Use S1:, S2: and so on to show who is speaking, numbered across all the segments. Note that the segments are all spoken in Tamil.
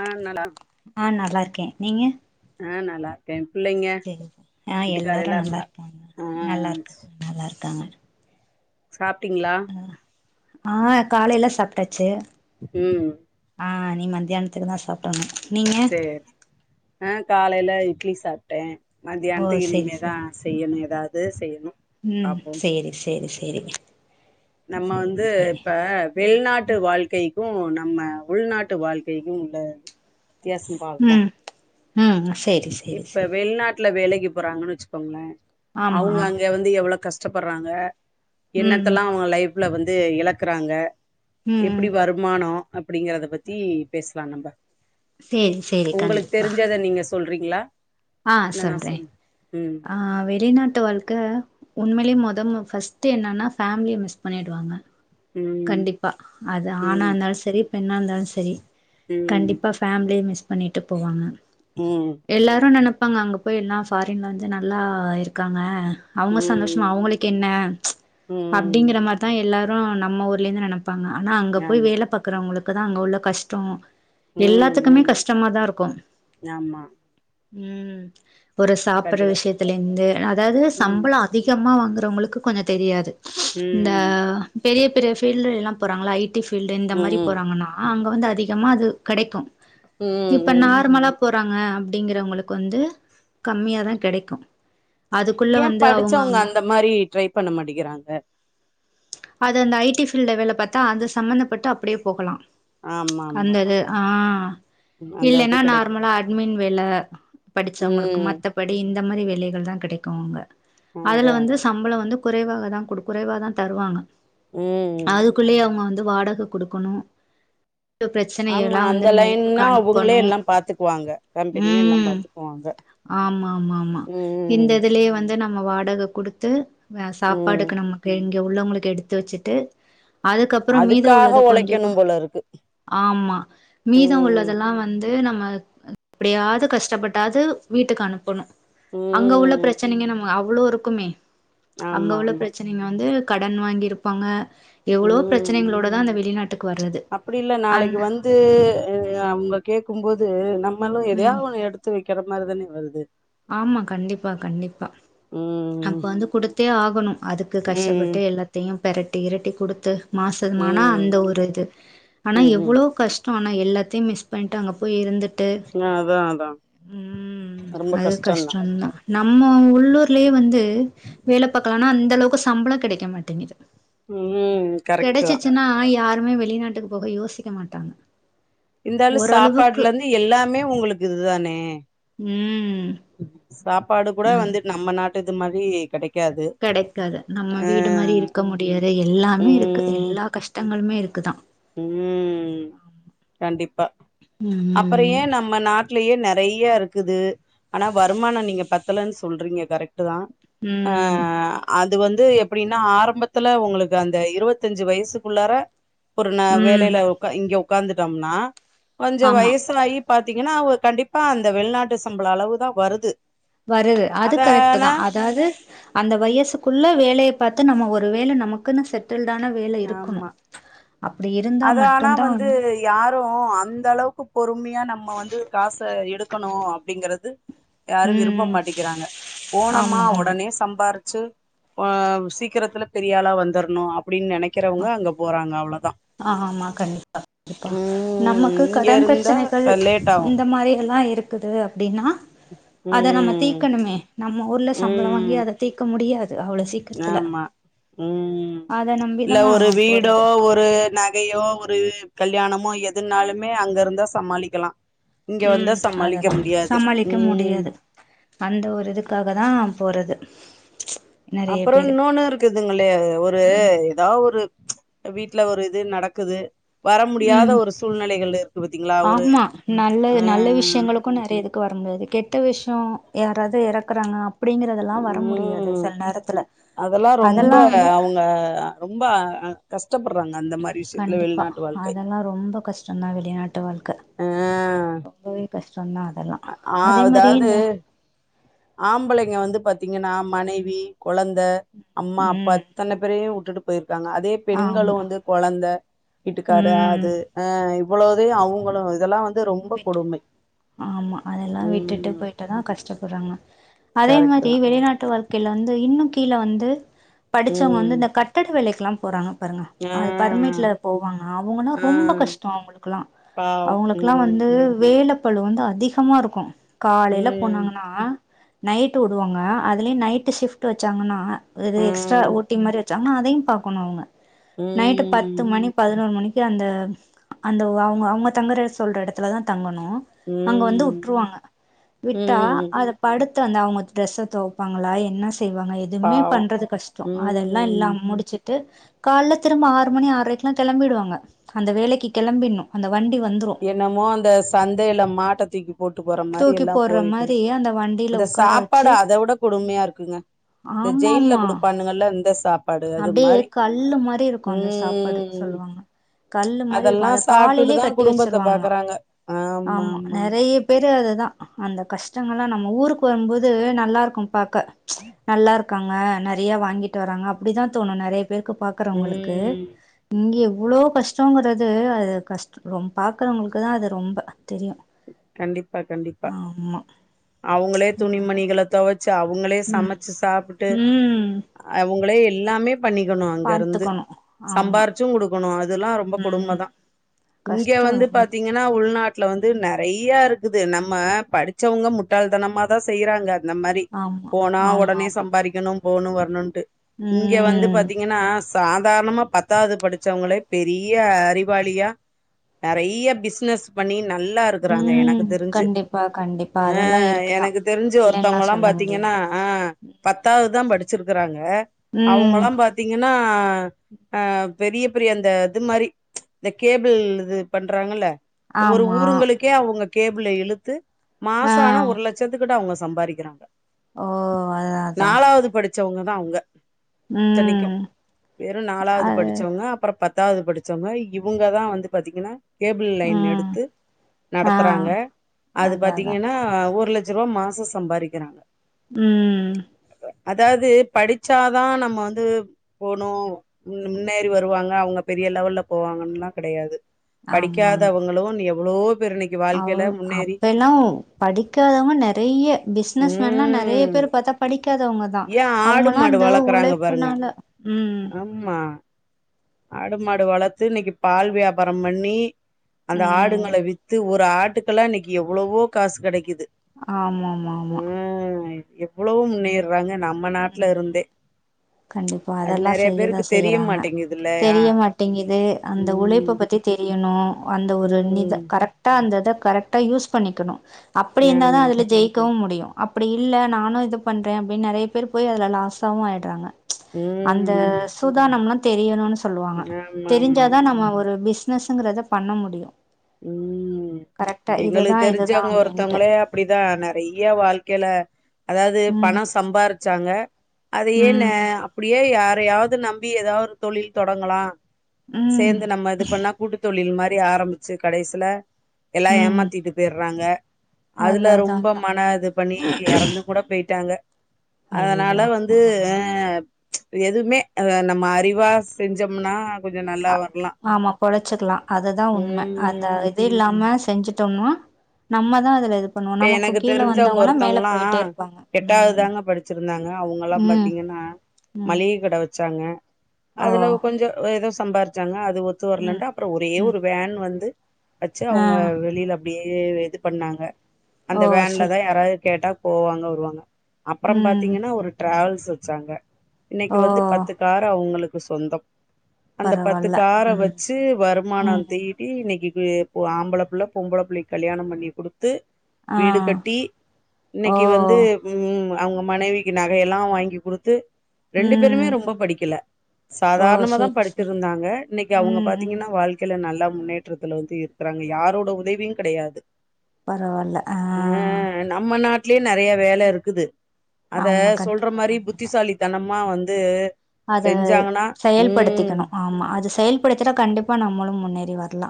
S1: ஆ நல்லா
S2: ஆ நல்லா இருக்கே நீங்க
S1: ஆ நல்லாருக்கே
S2: சேரி ஆ எல்லாரு நல்லா இருக்காங்க
S1: ஆ
S2: நல்லா இருக்காங்க நல்லா இருக்காங்க
S1: சாப்டீங்களா
S2: ஆ காலைல சாப்ட்டாச்சு
S1: ம்
S2: ஆ இனி மத்தியானத்துக்கு தா சாப்டணு நீங்க
S1: சேரி ஆ கால் காலைல இட்லி சாப்ட்டே
S2: ஓ
S1: மதியான்த்துக்கு
S2: சேரி
S1: இனிமேதா
S2: சேரி
S1: செய்யணு எ எதாது செய்யணு
S2: ம்
S1: பாப்போ
S2: செரி செரி செரி
S1: நம்ம வந்து இப்ப வெளிநாட்டு
S2: ம்
S1: வாழ்க்கைக்கு க்கு நம்ம உள்நாட்டு வாழ்க்கைக்கு உள்ள வித்யாச பாப்போ
S2: ம் ம் செரி செரி செரி
S1: கி போறாங்கன்னு வெச்சுக்கோங்கல அவங்க அங்க வந்து எவ்வள கஷ் கஷ்டப்பட்றாங்க
S2: ம்
S1: என்னத்தெல்லா அவங்க லைஃப்ல வந்து து இழக்குறாங்க
S2: ம்
S1: எப்டி வருமானோ அப்பிடிங்கறத பத்தி பேசலா நம்ப
S2: சேரி சேரி
S1: உங்களுக்கு
S2: கண்டிப்பா
S1: தெரிஞ்சத நீங்க சொல்றீங்களா?
S2: ஆ
S1: இல்ல நா
S2: சொல்றே.
S1: சொல் ம்
S2: ஆ வெளிநாட்டு வாழ்க்க உண்மைலேயே மொ த்தமு ஃபஸ்ட் என்னனா ஃபேமிலிய மிஸ் பண்ணிடுவாங்க.
S1: ம்
S2: கண்டிப்பா அது ஆணா
S1: ம்
S2: இருந்தாலு செரி, பெண்ணா இருந்தாலு செரி
S1: ம்
S2: கண்டிப்பா ஃபேமிலிய மிஸ் பண்ணிட்டு போவாங்க
S1: ம்
S2: எல்லாரு நனப் ப்பாங்க அங்க போய் எல்லா ஃபாரின்ல வந்து நல்லா இருக்காங்க. அவங்க
S1: ம்
S2: சந்தோஷமா அவங்களுக்கு என்ன,
S1: ம்
S2: அப்பிடிங்கற மாரிதா எல்லா ரு ந நம்ம ஊர்லயே நென ப்பாங்க, ஆனா அங்க போய்
S1: ஆமா
S2: வேல பாக்கறவங்ளுக் க்கு தா அங்க உள்ள கஷ்டோ
S1: ம்
S2: எல்லாத்துக்குமே
S1: ம்
S2: கஷ்டமாதாருக்கும்
S1: ஆமா
S2: ம் ஒரு சாப்பற்ற
S1: கண்டிப்பா
S2: விஷயத்துல இருந்து அதாவது
S1: ம்
S2: சம்பளோ அதிகமா வாங்க மத்தவுங்களுக்கு கொஞ்சோ தெரியாது. இந்த
S1: ம்
S2: த ஃபீல்டுல எல்லா போறாங்கள ஐட் டி ஃபீல்டு இந்த மாரி
S1: ம்
S2: போறங்கன்னா அங்க வந்து அதிக் கமா அது கெடைக்கு
S1: ம்
S2: இப்ப
S1: ம்
S2: நார்மலா போற் றாங்க அப்பிடிங்கறவங்களுக்கு வந்து கம்மியாதா கெடைக்கு அதுக்குள்ள
S1: ஏ
S2: வந்து
S1: படுச்சவங்க
S2: அவங்க
S1: அந்த மாரி ட்ரை பண்ண மாட்டிங்கிறாங்க
S2: அது அந்த ஐ டி ஃபீல்ட்ட வேல பாத்தா அது சம்மந்தப்பட்டு அப்புடியே போகலா
S1: ஆமா ஆமா
S2: அந்த
S1: ஆமா
S2: அது ஆ
S1: ம், அந்த இது
S2: இல்லேன்னா
S1: கெடைக்கு
S2: நார்மல்லா அட்மின் வேல படிச்சவங்களுக்கு
S1: ம்
S2: மத்தபடி இந் த மாரி வேலைகள் தா கெடைக்கு அங்க அதுல
S1: அதா
S2: வந்து
S1: அதா
S2: சம்பளோ வந்து கொறைவாக தா கொடுக் கொறைவா தா தருவாங்க
S1: ம்
S2: அதுக்குள்ளேயே அவுங்க வந் து வாடக குடுக்கணு டு பிரச்சனை
S1: ஆமா
S2: எல்லா வந்து
S1: அந்த
S2: நம்ம ஊருக்கு
S1: லைன்னா அவங்களே
S2: அனுப்பணு
S1: எல்லா பாத்துக்குவாங்க கம்பெனியே எல்லா
S2: ம்
S1: பாத்துக்குவாங்க
S2: ஆமா ஆமா ஆமா இந்த
S1: ம்
S2: இதுலயே வந்து நம் நம்ம வாடக குடுத்து அ
S1: ம்
S2: சாப்பாடுக்கு நம்மக்கு இங் கே உள்ளவுங்களுக்கு எடுத்து வச்சிட்டு அதுக்கப்புறம் மீத உள்ளத
S1: அதுக்காக
S2: கொஞ்சோ கொ
S1: ஒழைக்கணும் போல இருக்கு
S2: ஆமா மீத
S1: ம்
S2: உள்ளதெல்லா வந் து நம்ம எப்டியாது கஷ்டப்பட்டாது வீட்டுக்கு அனுப்பணு அங்க உள்ள
S1: ம்
S2: பிரச்சனைங்க நம்ம அவ் ளோ இருக்குமே அங்க
S1: ஆமா
S2: உள்ள
S1: ஆமா
S2: பிரச்சனைங்க வந்து கடன் வாங்கியிருப்பாங்க எவ்ளோ
S1: ம்
S2: பிரச்சனைகளோட தா அந்த வெளிநாட்டுக்கு வர்றது
S1: அப்டி இல்ல
S2: அந்
S1: நாளைக்கு வந்து அவுங்க கேக்கும்போது நம் மளு எதையா
S2: ம்
S1: ஒன்னு எடுத்து வெக்கற மாரி தானே வருது
S2: ஆமா கண்டிப்பா கண்டிப்பா அப்ப
S1: ம்
S2: வந்து கொடுத்தே ஆகணும் அதுக்கு
S1: ம்
S2: கஷ்டப்பட்டு எல்லாத்தையும் பெரட்டி இரட்டி கொடுத்து மாசமானா
S1: ம்
S2: அந்த ஒரு இது ஆனா
S1: ம் ம்
S2: எவ்வளோ கஷ்ட ஆனா எல்லாத்தையும் மிஸ் பண்ணிட்டு அங்க போய் இருந்துட்டு
S1: அதா அதா
S2: ம்
S1: ரொம்ப
S2: அது
S1: கஷ்டந்தா
S2: கஷ்டதா நம்ம உள்ளூர்லயே வந்து வேலை பாக்கலானா அந்த அளவுக்கு சம்பளம் கிடைக்க மாட்டேங்குது
S1: ம் கரெக்ட்டுதா
S2: கெடைச்சிச்சுன்னா [unintelligible] வெளிநாட்டுக்கு போக யோசிக்க மாட்டாங்க
S1: இருந்தாலு
S2: ஓரளவுக்கு
S1: சாப்பாட்டுல இருந்து எல்லாமே உங்களுக்கு இதுதானே
S2: ம்
S1: சாப்பாடு கூட வந்துட்டு நம்ம நாட் டுது மாரி கிடைக்
S2: கிடைக்காது நம்ம வீடு மாரி இருக்க முடியாது எல்லாமே இருக்கு
S1: ம்
S2: எல்லா கஷ்டங்களுமே இருக் க்குதா
S1: ம் கண்டிப்பா அப்புற
S2: ம்
S1: ஏ நம்ம நாட் லயே நறைய இருக்குது ஆனா வருமானம் நீங்க பத் தல சொல்றீங்க கரெக்ட் டுதா அ
S2: ம்
S1: அது அது வந்து எப்படின்னா ஆரம்பத்துல உங்களுக்கு அந்த இருபத்தஞ்சு வயசுக்குள்ளர ஒருநா
S2: ம்
S1: வேலையில உக்கா இங்கோவ் உட்காந்துட்டோம்னா கொஞ்ச
S2: ஆமா
S1: வயசாயி பாத்தீங்கன்னா அவ கண்டிப்பா அந்த வெளிநாட்டு சம்பள அளவுதா வருது
S2: வருது அது கரெக்ட்தா
S1: அதானா
S2: அதாவது அந்த வயசுக்குள்ள வேலையை பாத்து நம்ம ஒரு வேலை நமக்குன்னு செட்டில்
S1: ஆமா
S2: இருந்தா
S1: அத ஆனா
S2: மட்டுந்தா
S1: வந்து யாரும் அந்த அளவுக்கு பொறுமையா நம் நம்ம வந்து காசை எடுக்கணும் அப்படிங்கறது யாரு விருப்ப
S2: ம்
S1: மாட்டிக்கிறாங்க போணமா
S2: ஆமா ஆமா
S1: உடனே சம்பாரு ச்சு அ சீக்கிரத்துல பெரியாளா வந்துறணும் அப்படின்னு நினை
S2: அ ஆமா கண்டிப்பா கண்டிப்பா
S1: ம்
S2: நமக்கு
S1: இங்க
S2: கடன்
S1: இருந்தா
S2: பிரச்சனைகள்
S1: க லேட் ஆகு
S2: இந்த மாரி எல்லாம் இருக் இருக்குது அப்படின்னா அதை நம்ம
S1: ம்
S2: தீக்கணுமே நம்ம ஊர்ல சம்பளம் வாங்கி
S1: ம்
S2: அதை தீக்க முடியாது தத்து அவ்ளோ சீக்கரத்துல
S1: ஆமா ம் இல்ல ஒரு வீடோ
S2: போறது
S1: ஒரு நகையோ ஒரு கல்யாணமோ எதுனாலுமே அங்கருந்தா சமாளிக்கலா இங்க வந்தா
S2: ம்
S1: சமாளிக்க
S2: அததா
S1: முடியாது
S2: சமாளிக்க
S1: ம்
S2: முடியாது அந்த ஒரு இதுக்காக தா போறது நெறைய
S1: அப்புறோ
S2: பேரு
S1: இன்னொன்னு இருக்குதுங்களே ஒரு ஏதாவது ஒரு வீட்ல ஒரு இது நடக்குது வர முடியாத
S2: ம்
S1: ஒரு சூழ்நிலைகள் இருக்கு பாத்தீங்களா ஒரு
S2: ஆமா நல்லது
S1: ஆ
S2: நல்ல விஷயங்களுக்கு நறைய இதுக்கு வர முடியாது கெட்ட விஷ் யோ யாராவது இறக்குறாங்க
S1: ம் அதெல்லா ரொம்ப அவுங்க ரொம்ப கஷ்டப்படுறாங்க அந்த மாரி விஷயத்துல
S2: கண்டிப்பா
S1: வெளிநாட்டு வாழ்க்கை
S2: அதெல்லா ரொம்ப கஷ்டம்தா வெளிநாட்டு வாழ்க்க
S1: ஆ
S2: [unintelligible] கஷ் சொன்னா அதெல்லா
S1: ஆ
S2: அதே மாரி
S1: அதாவது
S2: இந்த
S1: ஆம்பளைங்க வந்து பாத்தீங்கன்னா மனைவி கொழந்த அம்மா அப்பா
S2: ம்
S1: அத்தன்ன பேரையு உட்டுட்டு ட்றாங்க அதே பெண்களு
S2: ஆமா
S1: வந்து கொழந்த வீட்டுக்காரு
S2: ம்
S1: அது அ இவ்ளோதயு அவுங்களு இதெல்லா வந்
S2: விட் ஆமா அதெல்லா விட்டுட்டு
S1: ம்
S2: போயிட்டுதா கஷ்டப்பட்றாங்க அதே
S1: கரெக்ட்
S2: மாரி
S1: தா
S2: வெளிநாட்டு வாழ் கையில வந்து இன்னு கீழ வந்து படிச்சவுங்க வந்து
S1: ம்
S2: இந்த கட்டட வேலைக் குலா போறாங்க பாருங்க
S1: ஆ
S2: அது பர்மிட்ல போவாங்க அவுங்கனா
S1: ஆ
S2: ரொம்ப கஷ்டோ அவுங்குளுக்குல்லா
S1: பாவோ
S2: அவுங்க ல்லா
S1: ம்
S2: வந்து வேல பழு வந்து அதிகமாருக்கு காலேல
S1: ம்
S2: போனாங்கன்னா நைட்டு உடுவாங்க அதுலியு நைட்டு ஷிஃப்ட் வெச்சாங்கன்னா ஒரு எக்ஸ்ட்ரா
S1: ம்
S2: ஓட்டிங் மாரி வெ ச்சாங்கனா அதயு பாக்குணு அவுங்க நைட்டு
S1: ம்
S2: பத்து மணி பதுனோர் மணி கு அந்த அந்த அவுங்க அவுங்க தங்கற சொல்ற எடத்துல தா தங்க னு அங்க வந்து
S1: ம்
S2: உட்ருவாங்க விட்டா
S1: ம்
S2: அத படுத் து அந்து அவுங்க டிரெஸ தொவப்பாங்ளா என்ன செ செய்வாங்க எதுமே
S1: பாவோ
S2: பண்றது கஷ்டொ அதல்லா எல்லா
S1: ம்
S2: முடிச்சு ட்டு கால்ல திரும்ப ஆறு மணி ஆற்ரைக்குலா கெளம்பிடுவாங்க அந்த வேலைக்கி கெளம்பிட்ணு அந்த வண்டி வந்துரு
S1: என்னுமோ அந்த சந்தைல மாட்ட தூக்கி போட்டு போற மாரி
S2: தூக்கி
S1: எல்லா
S2: போட்ற
S1: போய்ட்ருக்
S2: மாரி அந்த வண்டில
S1: அந்த
S2: உக்கார
S1: சாப்பாடு
S2: வச்சு
S1: அத உட கொடுமையா ருக்குங்க இந்த ஜெய்ல்ல குடுப்பானுங்கல்ல இந்த சாப்பாடு அது
S2: அப்டே
S1: மாரி
S2: கல்லு மாரி இருக்கு அந்த சாப்பாடு
S1: ம்
S2: சொல்லுவாங்க கல்லு மாரி இருக்கு
S1: அதெல்லா
S2: அத
S1: சாப்ட்டுட்டு
S2: காலலே
S1: தா
S2: கட்டி வச்சு
S1: குடும்பத்த
S2: ருவாங்லா
S1: பாக்குறாங்க
S2: ஆமா நறைய பேரு அதுதா அந்த கஷ் [unintelligible] நம்ம ஊருக்கு வரும்போது நல்லாருக்கு பாக்க நல்லார் காங்க நறைய வாங்கிட்டு வராங்க அப் அப்டிதா தோணு நறைய பேருக்கு பாக்குறவ்ங்களுக்கு
S1: ம்
S2: இங்கி இவ்ளோ கஷ்டோங்கறது அது கஷ்டொ ரொம் பாக்குறவ்ங்ளுக்குதா அது ரொம்ப தெரியு
S1: கண்டிப்பா கண்டிப்பா
S2: ஆமா
S1: அவுங்ளே துணிமணிகள தொவ ச்சு அவுங்களே
S2: ம்
S1: சமச்சு சாப்புட்டு
S2: ம்
S1: அவுங்களே எல் ல்லாமே பண்ணிக்கணு அங்கருந்து
S2: பாத்துக்கணு ஆமா
S1: சம்பாாரிச்சும் குடுக்குணு அதுல்லா ரொம்ப
S2: ம்
S1: கொடும்ம தா இங்க
S2: கஷ்டோ
S1: வந்து
S2: ரொம்ப
S1: பாத்தீங்கனா உள்நாட்ல வந்து நறைய இருக்குது நம்ம படிச்சவங்க முட்டாள் தனமா தா செய்றாங்க அந்த மாரி
S2: ஆமா
S1: போனா
S2: ஆமா
S1: ஒடனே
S2: ஆமா
S1: சம்பாரிக்கணு போணு வர்ணுன் ட்டு இங்க வந்து
S2: ம்
S1: பாத்தீங்கனா சாதாரணமா பத்தாவது படிச் சவங்ளே பெரிய அறிவாளியா நறைய பிஸ்னஸ் பண்ணி நல்லாருக்குறாங்க
S2: ம்
S1: எனக்கு தெரிஞ்சு
S2: கண்டிப்பா கண்டிப்பா
S1: ஆ
S2: அதெல்லா இருக்குதா
S1: எனக்கு தெரிஞ்சு
S2: இல்லன்லா
S1: ஒருத்தவங்கலா
S2: சொல்ல
S1: பாத்தீங்கனா
S2: முடியாது
S1: ஆ பத்தாவதுதா படிச் வச்சிருக்குறாங்க க
S2: ம்
S1: அவங்கலா பாத்தீங்கனா ஆ அ பெரிய பெரிய அந்த இது மாரி இந்த கேபிள் இது பண்றாங்கல்ல ஒரு
S2: ஆமா
S1: ஊருங்களுக்கே அவங்க கேபிள இழுத்து
S2: ஆ
S1: மாச ஆனா ஒரு லட்சத்துக்கிட்ட அவங்க சம்பாதிக்கிறாங்க
S2: ஓ அதா அதா
S1: நாலாவது படி வச்சவங்க தான் அவங்க இத்தனைக்கும்
S2: ம்
S1: வெறும் நாலாவது
S2: அது
S1: படிச்சவங்க அப்புறம் பத் தாவது படிச்சோங்க இவங்கதான் வந்து பார்த்தீங்கன்னா கேபிள் லைன்
S2: ம்
S1: எடுத் த்து
S2: ஆ
S1: நடத்துறாங்க அது
S2: அதா அதா
S1: பாத்தீங்கன்னா ஊர்ல அஞ்ச ரூபா மாசம் சம்பாதிக்கிறாங்க
S2: ம்
S1: அதாவது படிச்சாதான் நம்ம வந்து போணும் முன்னேறி வருவாங்க அவங்க பெரிய லெவல்ல போவாங்கன்னுல்லாம் கிடையாது படிக்காதவங்களும் எவ்ளோ
S2: அவ அப்ப எல்லாம் படிக்காதவங்க நிறைய பிசினஸ்மேன் எல்லாம் நிறைய
S1: ம்
S2: பேர் பார்த்தா படிக்காதவங்கதான்
S1: ஏ ஆடு
S2: அவங்கல்லாம்
S1: மாடு
S2: இந்த
S1: வளக்குறாங்க பாருங்க
S2: உழைப்புனால ம் ம்
S1: ஆமா ஆடு மாடு வளர்த்து இன்னைக்கு பால் வியாபாரம் பண்ணி அந்த ஆடு
S2: ம்
S1: ங்களை வித்து ஒரு ஒரு ஆட்டுக்கெல்லாம் இன்னைக்கு எவ்வளோவோ காசு கெடைக்குது
S2: ஆமா ஆமா ஆமா
S1: எவ்வளவு முன்னேறு றாங்க நம்ம நாட்டுல
S2: ம்
S1: இருந்தே
S2: கண்டிப்பா
S1: அது
S2: அதெல்லா
S1: நெறைய
S2: செய்யதா
S1: பேருக்கு தெரிய
S2: செய்றாங்க
S1: மாட்டேங்குதுல்லையா
S2: தெரிய மாட்டேங்குது அந்த
S1: ம்
S2: உழைப்ப பத்தி தெரிய யனு அந்த ஒரு நித
S1: ம்
S2: கரெக்டா அந்த இத கரெக்டா யூஸ் பண்ணிக்கணு அப்படி இருந்தா தா
S1: ஆமா.
S2: அதுல ஜெயிக்கவு முடியு அப்டி இல்ல நானு இது பண்ற அப்டின் நெறைய பேர் போய் அதுல லாஸாவு ஆயிடுறாங்க அந்த
S1: ம்.
S2: சுதானம்லா தெரியனு சொல்லுவாங்க
S1: ஆமாமாமா.
S2: தெரிஞ்சாதா நம்ம ஒரு பிஸ் னஸ்ங்கிறது பண்ண முடியு
S1: ம்
S2: கரெக்டா இதுதா
S1: எங்களுக்கு
S2: இதுதா
S1: தெரிஞ்சவங்க
S2: அப்படின்ட்டு
S1: ஒருத்தவங்களே அப்டிதா நெறைய வாழ்க்கைல அதாது
S2: ம்
S1: பணோ சம்பார் சாங்க அது ஏன்ன
S2: ம்
S1: அப்புடியே யார் ரயாது நம்பி எதா ஒரு தொழில் தொடங்லா
S2: ம்
S1: சேந்து நம்ம இது பண்ணா கூட்டு தொழில் மார் ரி ஆரம்மு சி கடைசில எல்லா
S2: ம்
S1: ஏமாத்திட்டு பேர்றாங்க அதுல
S2: அதா அதா
S1: ரொம்ப
S2: அதா
S1: மன இது பண்ணி எறந்து கூட பேய்ட்டாங்க அதனால
S2: ஐயையோ
S1: வந்து
S2: ம்
S1: அ எதுமே அ நம்ம அறிவா செஞ்சம்னா
S2: அ ஆமா பொழச்சிக்லா அதுதா உண் ம அந்த
S1: ம்.
S2: இது இல்லாம செஞ்சுட் டம்னா நம்மதா அதுல இது பண்ணுவோ நமக்கு
S1: எனக்கு
S2: கீழ
S1: தெரிஞ்சங்க
S2: வந்தவங்கல்லா மேல
S1: ஒருத்தங்கல்லா
S2: போயிட்டே இருப்பாங்க
S1: எட்டாது
S2: ம்
S1: தாங்க படிச்சிருந்தாங்க அவங்கல்லா
S2: ம்
S1: பாத்திங்கன்னா
S2: ம்
S1: மளிக கட வெச்சாங்க
S2: ஓ
S1: அதுல கொஞ்ச ஏதோ சம்பாரிச்சாங்க அது ஒத்து
S2: ம்
S1: வர்லன்ட்டு அப்பற ஒரே
S2: ம்
S1: ஒரு வேன் வந்து வெச்சு
S2: ஆ
S1: அவங்க வெளில அப்டியே இது பண்ணாங்க
S2: ஓ
S1: அந்த வேன்லதா
S2: செரி செரி
S1: யாராது கேட்டா போவாங்க வருவாங்க அப்றம்
S2: ம்
S1: பாத்திங்கனா ஒரு டிராவல்ஸ் வெச்சாங்க இன்னக்கி
S2: ஓ
S1: வந்து பத்து கார் அவுங்களுக்கு சொந்தம் அந்த பத்து
S2: பரவால்ல
S1: கார
S2: ம்
S1: வச்சு வருமான
S2: ம்
S1: தீட்டி இன்னக்கி ஏ பொ ஆம்பள புள்ள பொம்பள புள்ளக்கி கல்யாணம் பண்ணி குடுத் து
S2: ஆ
S1: வீடு கட்டி
S2: ஓ
S1: இன்னக்கி வந்து ம் அவங்க மனைவிக்கு நகையெல்லா வாங்கி குடுத்து ரெண்டு பேருமே
S2: ம்
S1: ரொம்ப படிக்கல
S2: ஓ
S1: சாதாரணமாதா
S2: செரி செரி
S1: படித்திருந்தாங்க இன்னைக்கு அவுங்க
S2: ம் ம்
S1: பாத்திங்கனா வாழ்க்கைல நல்லா முன்னேற்றத்துல வந்து இருக்கறாங்க யாரோட உதவியு கெடையாது
S2: பரவால்ல ஆ
S1: அ நம்ம நாட்லே நறையா வேலருக் குது அத
S2: ஆமா
S1: சொல்ற
S2: கண்டிப்பா
S1: மாரி
S2: கண்டிப்பா
S1: புத்திசாலித்தனம் மா வந்து
S2: அத
S1: செஞ்சாங்கன்னா ம்
S2: செயல்படுத்திக்கணு ஆமா அது செயல் படுத்தினா கண்டிப்பா நம்மளு முன்னேறி வர ல்லா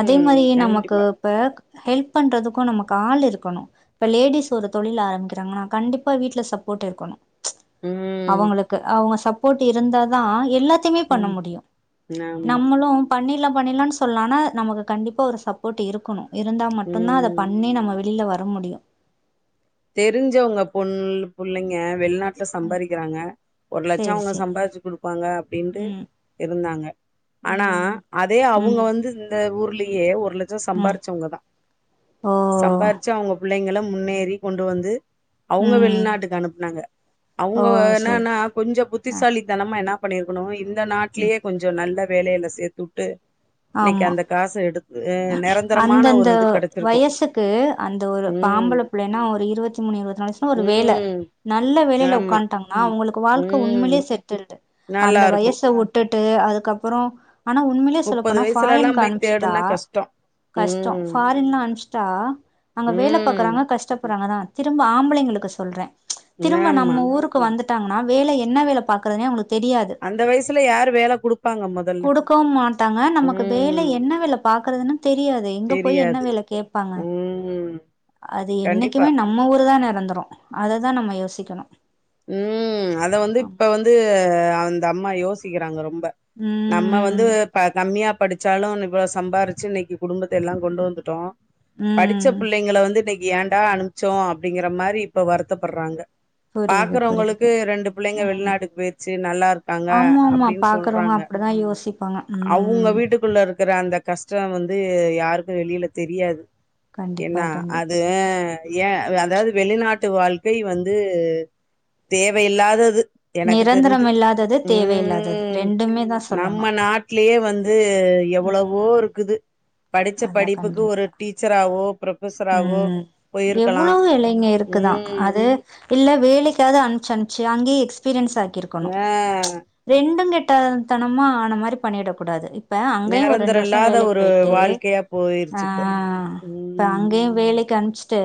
S2: அதே மாதிரி நமக்கு
S1: கண்டிப்பா
S2: இப்ப ஹெல்ப் பண்றதுக்கு நமக்கு ஆள் இருக்கோணு இப்ப லேடிஸ் ஒரு தொழில் ஆரம்பிக்கிறாங்கனா கண்டிப்பா வீட்ல சப்போட் இருக்கோணு
S1: ம்
S2: அவங்களுக்கு அவங்க சப் சப்போட் இருந்தா தா எல்லா த்துமே பண்ண
S1: ம்
S2: முடியு
S1: ஆமா
S2: நம்மளு பண்ணிர்லாம் பண்ணிர்லான்னு சொல்லாம நமக்கு கண்டிப்பா ஒரு சப்போட் இருக்கோணு இருந்தா மட்டுந்தா அத
S1: ம்
S2: தண்ணி நம்ம வெளில வர வர முடியு
S1: தெரிஞ்சவுங்க பொண் லுப் புள்ளைங்க வெள்நாட்ல
S2: ம்
S1: சம்பாரிக்கிறாங்க ஒரு லட்சோ
S2: சேரி
S1: அவுங்க
S2: சேரி
S1: சம்பாரிச்சி குடுப்பாங்க அப்டின்டு
S2: ம்
S1: இருந்தாங்க ஆனா
S2: ம்
S1: அதே அவுங்க
S2: ம்
S1: வந்து இந்த ஊர்லி ஏ ஒர் ஒரு லட்சோ
S2: ம்
S1: சம்பாரிச்சவுங்க தா
S2: ஓ
S1: சம்பாரிச்சு அவுங்க புள்ளைங்கள முன்னேறி கொண்டு வந்து அவுங்க
S2: ம்
S1: வெள்நாட்டுக்கு அனுப்னாங்க
S2: ஓ
S1: அவுங்க
S2: செரி
S1: என்னான்னா கொஞ்சோ
S2: ஆ
S1: புத்திசாலித்தனமா என்னா பண்ணிருக்கோணு இந் த நாட்லயே கொஞ்சோ நல்ல வேலையில சேத்துட்டு இன்னைக்கி
S2: ஆமா
S1: அந்த காச எடுத்
S2: அந்தந்த வயசுக்கு அந்தவொரு ப்ப
S1: ம்
S2: ஆம்பள புள்ளன்னா ஒ ஒரு இருவத்திமூணு இருபத்திநாலு வயசுல ஒரு வேல
S1: ம்
S2: நல்ல வேலைல
S1: ஆமா
S2: உக்கான்டாங்கன்னா அவுங்களுக் கு வாழ்க்க
S1: ம்
S2: உண்மேல்லே செத்துருது அந்த
S1: நல்லா இருக்கு
S2: வயச உட்டுட் ட்டு அதுக்கப்புறோ ஆனா உண்மேல்லே சொல்ல
S1: முப்பது
S2: போனா
S1: வயசுலலாம்
S2: ஃபாரினுக்கு
S1: போய்
S2: அனுப்ச்சிட்டா
S1: தேடுனா கஷ்டம்.
S2: கஷ்டோ
S1: ம்
S2: ஃபாரின்லா அனுப்ச்சிட்டா அங்க வேல
S1: ம்
S2: பாக்கறாங்க கஷ்டப்படுறாங்கதா திரும்ப ஆம்ளைங்ளுக்கு சொல்றே ம்ச் திரும்ப
S1: ஆமா
S2: நம்ப ஊருக்கு வந்துட் டாங்கனா வேலை என்ன வேல பாக்கறதுனே அவுங்ளுக்கு தெரியாது
S1: அந்த வயசுல யாரு வேல குடுப்பாங்க மொதல்ல
S2: கொடுக்கவு மாட்டாங்க நமக்கு வேலை
S1: ம்
S2: என்ன வேல பாக் க்குறதுனு தெரியாது எங்க போய் என்ன
S1: தெரியாது
S2: வேல கேப்பாங்க
S1: ம்
S2: அது
S1: கண்டிப்பா
S2: என்னிக்குமே நம்ப ஊரு தானே ந்துரு அததா நம்ப யோசிக்கணு
S1: ம் அத வந்து இப்ப வந்து அந்த அம் மா யோசிக்கிறாங்க ரொம் ப நம்ப வந்து
S2: ம்.
S1: ப்ப கம்மியா படிச்சாலு ன் இவ்ளோ சம்பாரிச்சு இன்னிக்கு குடும்பத்த எல்லா கொண்டு வந்துட்டோ படிச்ச
S2: ம்.
S1: பிள்ளைங்கள வந்து இனிக் கி ஏன்டா அனுப்ச்சோ அப்டிங்கற மாரி இப்ப வருத்தப்பட்றாங்க
S2: புரியுது,
S1: பாக்குறவங்களுக்கு
S2: புரியுது.
S1: ரெண்டு பிள்ளைங்க
S2: ம்.
S1: வெளிநாட்டுக்கு பொய்ர்ச்சி நல்லா இருக்காங்க
S2: ஆமாமா.
S1: அப்டின்னு
S2: பாக்குறவங்க
S1: சொல்றாங்க
S2: அப்படிதான் யோசிப்பாங்க.
S1: அவுங்க
S2: ம்.
S1: வீட்டுக்குள்ள இரு க்குற அந்த கஷ்ட்டோ வந்து யாருக்கு வெளில தெரியாது
S2: கண்டிப்பா,
S1: என்னா அது
S2: கண்டிப்பா.
S1: அ ஏ அதாவது வெளிநாட் ட்டு வாழ்க்கை வந்து தேவையில்லாதது எனக்கு
S2: நிரந்தரம்
S1: தெரிஞ்சு
S2: இல்லாதது தேவையில்லாதது
S1: ம்
S2: ரெண்டுமே தா சொல்லனு
S1: ந்து எவ்ளவோ இருக்குது படிச்ச
S2: அதான்
S1: படிப்புக்கு ஒரு
S2: கண்டிப்பா.
S1: டீச்சராவோ ப்ரொஃபஸராவோ
S2: ம்
S1: போயிருக்கலா
S2: எவ்ளோ வேளைங்க இருக்குதா
S1: ம்
S2: அது இல்ல வேலைக் காது அனுப்சி அனுப்சி அங்கே எஸ்பீரியன்ஸ் தாக்கிருக்கனு
S1: ஆ
S2: ம்ச் ரெண்டு கெட்ட தனமா ஆன மாரி பண்ணிடக்கூடாது
S1: நெரந்தர இல்லாத ஒரு வாழ்க்கையா
S2: ஆ
S1: பொயிருச்சி இப்போ ம்
S2: இப்ப அங்கேயு வேலைக்கு அனுப்ச் ட்டு